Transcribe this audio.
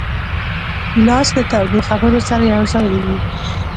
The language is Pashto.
ګیلاس له تودو خبرو سره یوځای وي.